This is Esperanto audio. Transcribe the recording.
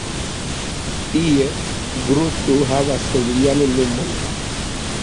Tie groto havas lian nomon.